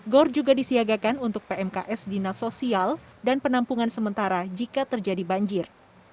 gor juga disiagakan untuk pmks dinas sosial dan penampungan sementara jika terjadi banjir